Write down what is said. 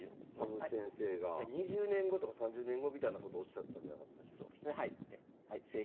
羽生先生が２０年後とか３０年後みたいなことをおっしゃったんじゃなかったでしたっけ。